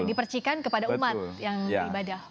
dipercikan kepada umat yang beribadah